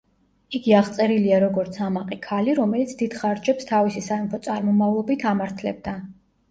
იგი აღწერილია როგორც ამაყი ქალი, რომელიც დიდ ხარჯებს თავისი სამეფო წარმომავლობით ამართლებდა.